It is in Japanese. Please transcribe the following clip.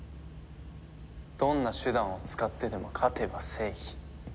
どんな手段を使ってでも勝てば正義。